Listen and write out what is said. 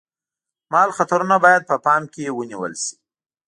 مال خطرونه باید په پام کې ونیول شي.